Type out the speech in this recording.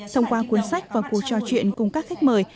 thông qua cuốn sách và cuộc trò chuyện cùng các khách mời